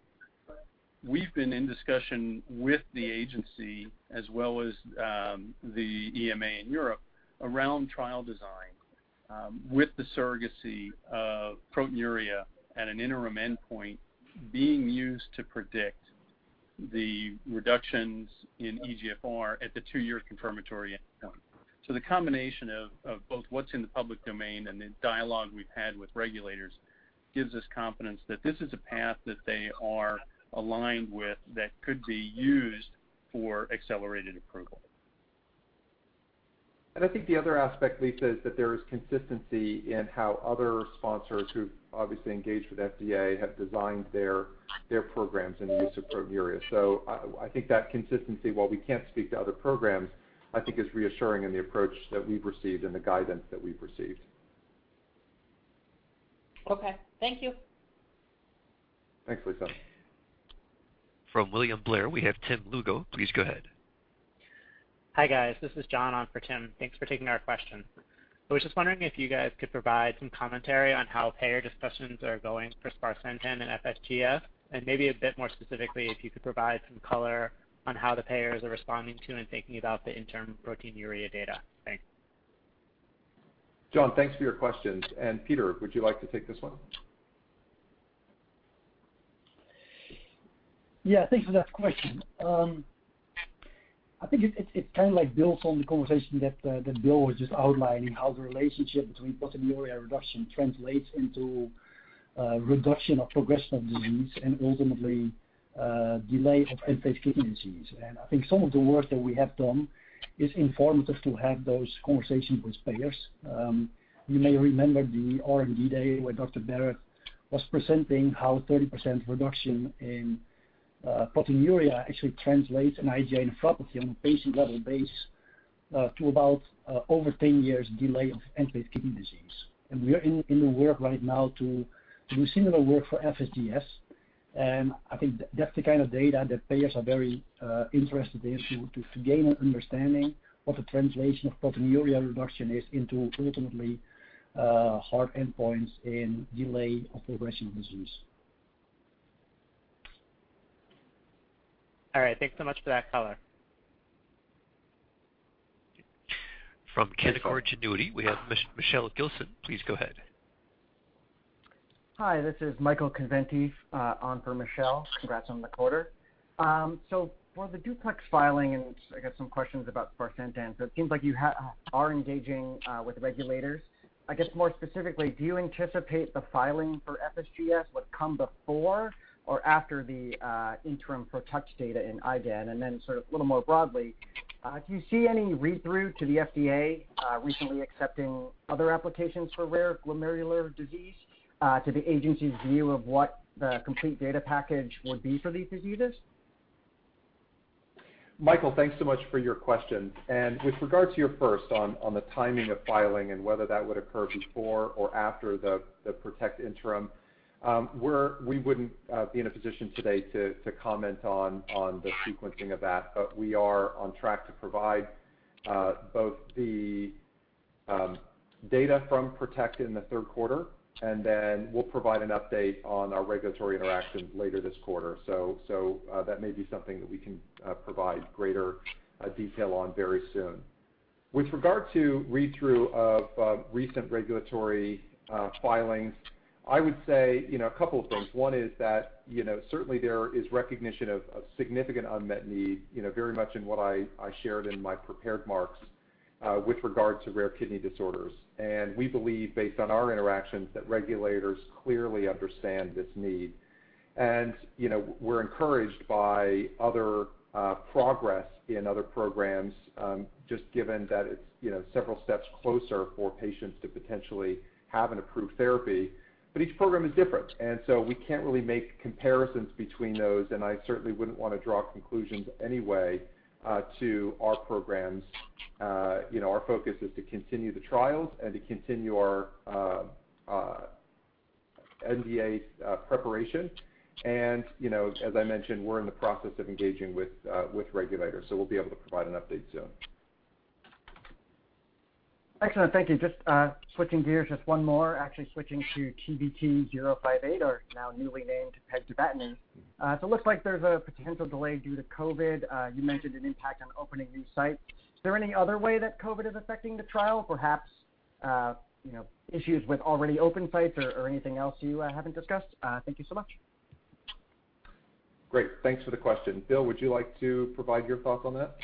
we've been in discussion with the agency as well as the EMA in Europe around trial design with the surrogacy of proteinuria at an interim endpoint being used to predict the reductions in eGFR at the two-year confirmatory endpoint. The combination of both what's in the public domain and the dialogue we've had with regulators gives us confidence that this is a path that they are aligned with that could be used for accelerated approval. I think the other aspect, Liisa, is that there is consistency in how other sponsors who've obviously engaged with FDA have designed their programs in the use of proteinuria. I think that consistency, while we can't speak to other programs, I think is reassuring in the approach that we've received and the guidance that we've received. Okay. Thank you. Thanks, Liisa. From William Blair, we have Tim Lugo. Please go ahead. Hi, guys. This is John on for Tim. Thanks for taking our question. I was just wondering if you guys could provide some commentary on how payer discussions are going for sparsentan and FSGS, and maybe a bit more specifically, if you could provide some color on how the payers are responding to and thinking about the interim proteinuria data. Thanks. John, thanks for your questions. Peter, would you like to take this one? Yeah, thanks for that question. I think it kind of builds on the conversation that Bill was just outlining, how the relationship between proteinuria reduction translates into reduction of progression of disease and ultimately delay of end-stage kidney disease. I think some of the work that we have done is informative to have those conversations with payers. You may remember the R&D day where Dr. Barratt was presenting how 30% reduction in proteinuria actually translates an IgA nephropathy on a patient-level base to about over 10 years delay of end-stage kidney disease. We are in the work right now to do similar work for FSGS. I think that's the kind of data that payers are very interested in to gain an understanding of the translation of proteinuria reduction into ultimately hard endpoints in delay of progression of disease. All right. Thanks so much for that color. From Canaccord Genuity, we have Michelle Gilson. Please go ahead. Hi, this is Michael Conventi on for Michelle Gilson. Congrats on the quarter. For the DUPLEX filing, I got some questions about sparsentan. It seems like you are engaging with regulators. I guess more specifically, do you anticipate the filing for FSGS would come before or after the interim PROTECT data in IgA? Sort of a little more broadly, do you see any read-through to the FDA recently accepting other applications for rare glomerular disease to the agency's view of what the complete data package would be for these diseases? Michael, thanks so much for your question. With regard to your first on the timing of filing and whether that would occur before or after the PROTECT interim, we wouldn't be in a position today to comment on the sequencing of that. We are on track to provide both the data from PROTECT in the third quarter, and then we'll provide an update on our regulatory interactions later this quarter. That may be something that we can provide greater detail on very soon. With regard to read-through of recent regulatory filings, I would say a couple of things. One is that certainly there is recognition of significant unmet need, very much in what I shared in my prepared remarks with regard to rare kidney disorders. We believe, based on our interactions, that regulators clearly understand this need. We're encouraged by other progress in other programs, just given that it's several steps closer for patients to potentially have an approved therapy. Each program is different, and so we can't really make comparisons between those, and I certainly wouldn't want to draw conclusions anyway to our programs. Our focus is to continue the trials and to continue our NDA preparation. As I mentioned, we're in the process of engaging with regulators, so we'll be able to provide an update soon. Excellent. Thank you. Just switching gears, just one more, actually, switching to TVT-058 or now newly named pegtibatinase. It looks like there's a potential delay due to COVID. You mentioned an impact on opening new sites. Is there any other way that COVID is affecting the trial? Perhaps issues with already open sites or anything else you haven't discussed? Thank you so much. Great. Thanks for the question. Bill, would you like to provide your thoughts on that?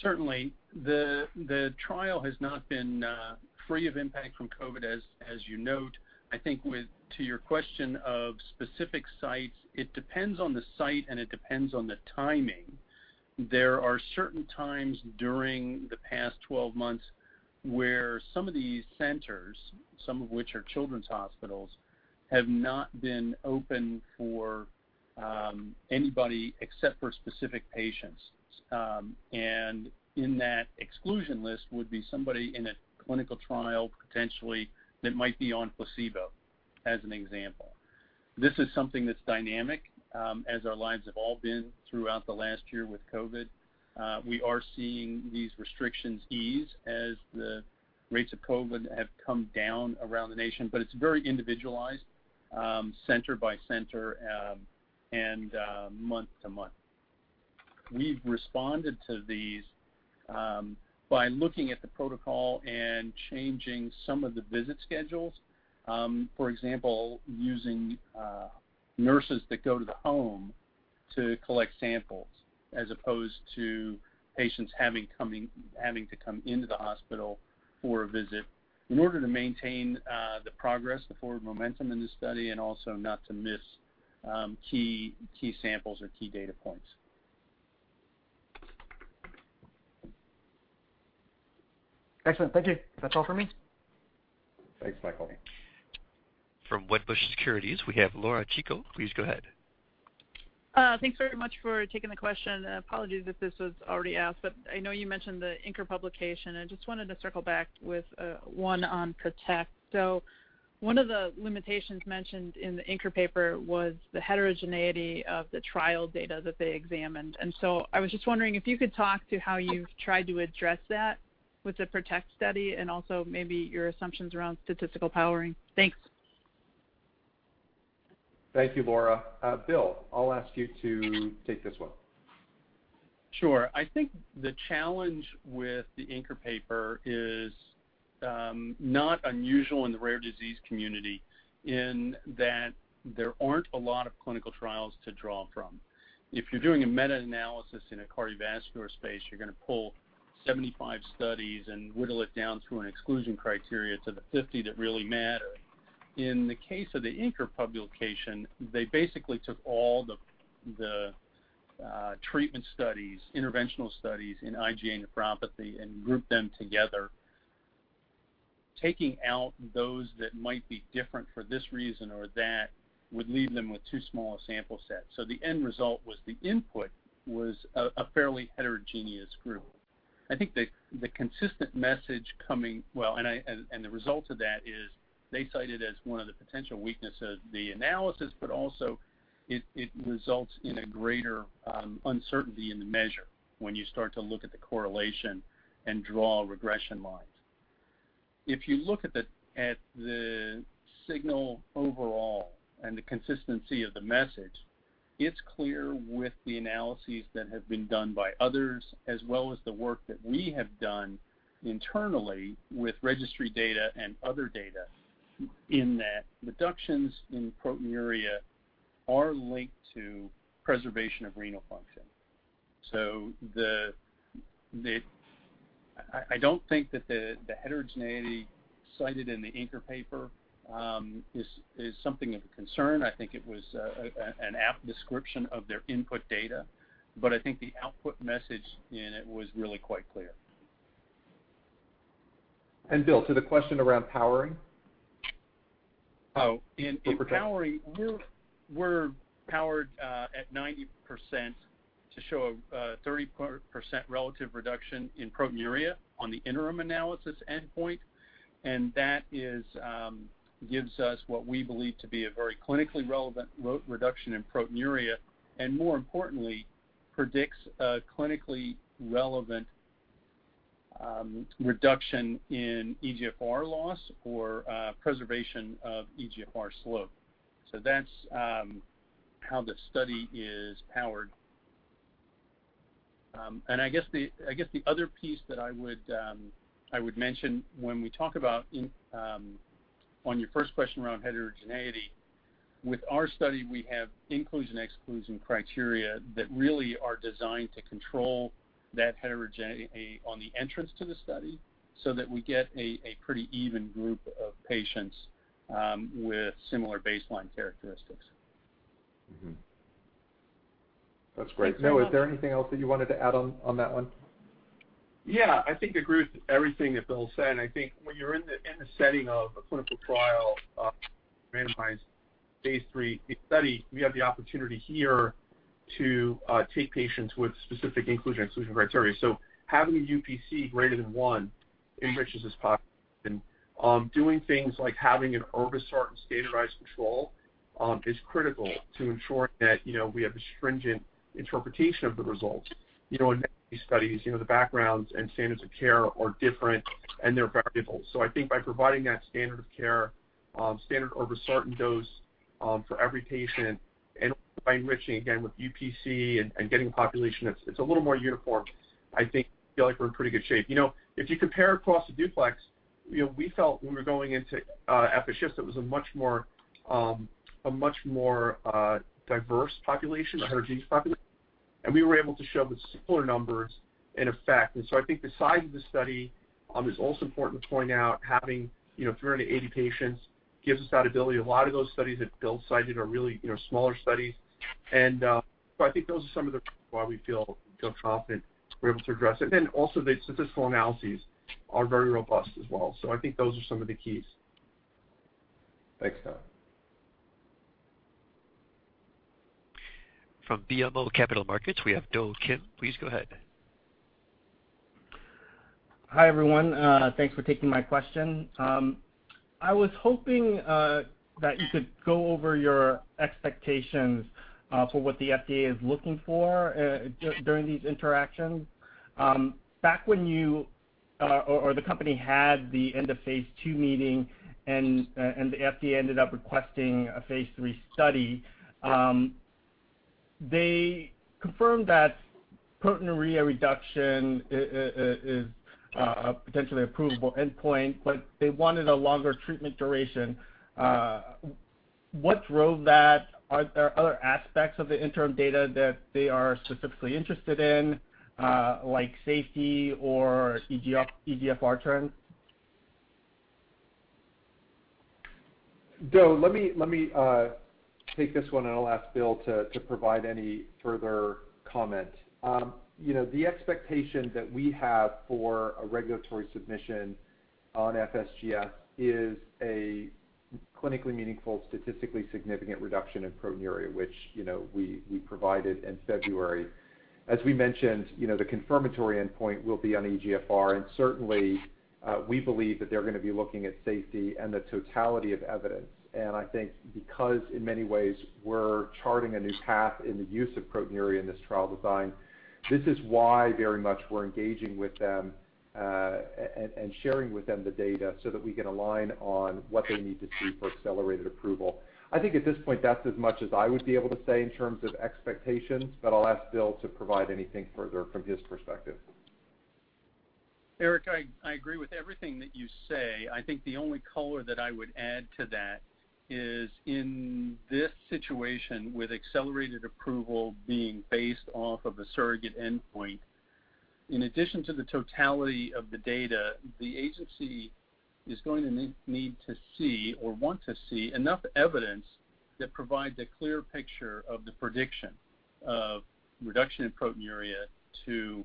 Certainly. The trial has not been free of impact from COVID, as you note. I think to your question of specific sites, it depends on the site, and it depends on the timing. There are certain times during the past 12 months where some of these centers, some of which are children's hospitals have not been open for anybody except for specific patients. In that exclusion list would be somebody in a clinical trial, potentially, that might be on placebo, as an example. This is something that's dynamic, as our lives have all been throughout the last year with COVID. We are seeing these restrictions ease as the rates of COVID have come down around the nation, but it's very individualized, center by center and month to month. We've responded to these by looking at the protocol and changing some of the visit schedules. For example, using nurses that go to the home to collect samples as opposed to patients having to come into the hospital for a visit in order to maintain the progress, the forward momentum in this study, and also not to miss key samples or key data points. Excellent. Thank you. That's all for me. Thanks, Michael. From Wedbush Securities, we have Laura Chico. Please go ahead. Thanks very much for taking the question, apologies if this was already asked, I know you mentioned the Inker publication. I just wanted to circle back with one on PROTECT. One of the limitations mentioned in the Inker paper was the heterogeneity of the trial data that they examined. I was just wondering if you could talk to how you've tried to address that with the PROTECT study and also maybe your assumptions around statistical powering. Thanks. Thank you, Laura. Bill, I'll ask you to take this one. Sure. I think the challenge with the Inker paper is not unusual in the rare disease community in that there aren't a lot of clinical trials to draw from. If you're doing a meta-analysis in a cardiovascular space, you're going to pull 75 studies and whittle it down through an exclusion criteria to the 50 that really matter. In the case of the Inker publication, they basically took all the treatment studies, interventional studies in IgA nephropathy and grouped them together. Taking out those that might be different for this reason or that would leave them with too small a sample set. The end result was the input was a fairly heterogeneous group. Well, the result of that is they cite it as one of the potential weaknesses of the analysis, but also it results in a greater uncertainty in the measure when you start to look at the correlation and draw regression lines. If you look at the signal overall and the consistency of the message, it's clear with the analyses that have been done by others, as well as the work that we have done internally with registry data and other data, in that reductions in proteinuria are linked to preservation of renal function. I don't think that the heterogeneity cited in the Inker paper is something of a concern. I think it was an apt description of their input data. I think the output message in it was really quite clear. Bill, to the question around powering. Oh, in powering- For PROTECT. We're powered at 90% to show a 30% relative reduction in proteinuria on the interim analysis endpoint. That gives us what we believe to be a very clinically relevant reduction in proteinuria, and more importantly, predicts a clinically relevant reduction in eGFR loss or preservation of eGFR slope. That's how the study is powered. I guess the other piece that I would mention when we talk about on your first question around heterogeneity, with our study, we have inclusion/exclusion criteria that really are designed to control that heterogeneity on the entrance to the study so that we get a pretty even group of patients with similar baseline characteristics. Mm-hmm. That's great. Noah, is there anything else that you wanted to add on that one? I think I agree with everything that Bill said, when you're in the setting of a clinical trial, randomized phase III study, we have the opportunity here to take patients with specific inclusion and exclusion criteria. Having a UPC greater than one enriches this population. Doing things like having an irbesartan standardized control is critical to ensuring that we have a stringent interpretation of the results. In these studies, the backgrounds and standards of care are different, and they're variable. I think by providing that standard of care, standard irbesartan dose for every patient and by enriching, again, with UPC and getting a population that's a little more uniform, I think I feel like we're in pretty good shape. If you compare across the DUPLEX, we felt when we were going into FSGS, it was a much more diverse population, a heterogeneous population, and we were able to show the similar numbers in effect. I think the size of the study is also important to point out. Having 380 patients gives us that ability. A lot of those studies that Bill cited are really smaller studies. I think those are some of the reasons why we feel confident we're able to address it. Also, the statistical analyses are very robust as well. I think those are some of the keys. Thanks, Noah. From BMO Capital Markets, we have Do Kim. Please go ahead. Hi, everyone. Thanks for taking my question. I was hoping that you could go over your expectations for what the FDA is looking for during these interactions. Back when the company had the end of phase II meeting and the FDA ended up requesting a phase III study, they confirmed that proteinuria reduction is a potentially approvable endpoint, but they wanted a longer treatment duration. What drove that? Are there other aspects of the interim data that they are specifically interested in, like safety or eGFR trends? Do, let me take this one, and I'll ask Bill to provide any further comment. The expectation that we have for a regulatory submission on FSGS is a clinically meaningful, statistically significant reduction in proteinuria, which we provided in February. As we mentioned, the confirmatory endpoint will be on eGFR, and certainly, we believe that they're going to be looking at safety and the totality of evidence. I think because, in many ways, we're charting a new path in the use of proteinuria in this trial design, this is why very much we're engaging with them and sharing with them the data so that we can align on what they need to see for accelerated approval. I think at this point, that's as much as I would be able to say in terms of expectations, but I'll ask Bill to provide anything further from his perspective. Eric, I agree with everything that you say. I think the only color that I would add to that is in this situation with accelerated approval being based off of a surrogate endpoint, in addition to the totality of the data, the agency is going to need to see or want to see enough evidence that provides a clear picture of the prediction of reduction in proteinuria to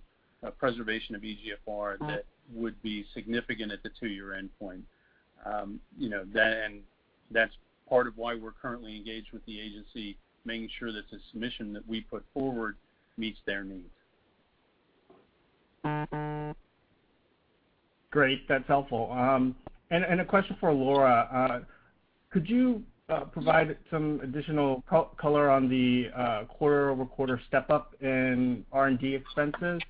preservation of eGFR that would be significant at the two-year endpoint. That's part of why we're currently engaged with the agency, making sure that the submission that we put forward meets their needs. Great. That's helpful. A question for Laura. Could you provide some additional color on the quarter-over-quarter step-up in R&D expenses?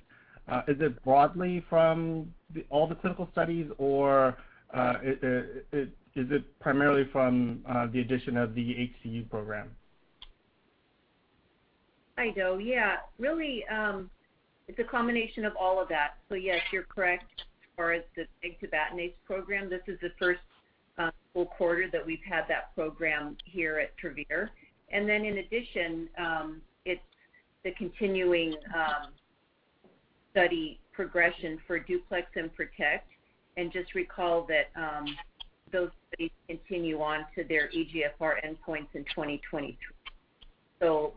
Is it broadly from all the clinical studies, or is it primarily from the addition of the HCU program? Hi, Do. Really, it's a combination of all of that. Yes, you're correct as far as the pegtibatinase program. This is the first full quarter that we've had that program here at Travere. In addition, it's the continuing study progression for DUPLEX and PROTECT. Just recall that those studies continue on to their eGFR endpoints in 2022.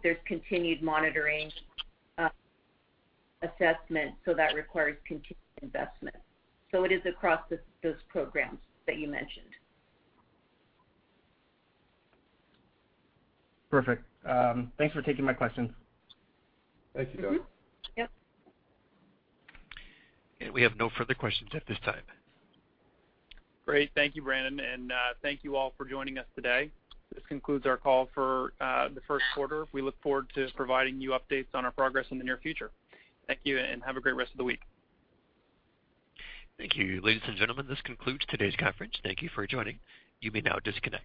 There's continued monitoring assessment, so that requires continued investment. It is across those programs that you mentioned. Perfect. Thanks for taking my question. Thank you, Do. Mm-hmm. Yep. We have no further questions at this time. Great. Thank you, Brandon, and thank you all for joining us today. This concludes our call for the first quarter. We look forward to providing you updates on our progress in the near future. Thank you, and have a great rest of the week. Thank you. Ladies and gentlemen, this concludes today's conference. Thank you for joining. You may now disconnect.